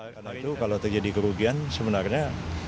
karena itu kalau terjadi kerugian sebenarnya